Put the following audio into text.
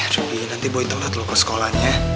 ya tapi nanti boy tolak loh ke sekolahnya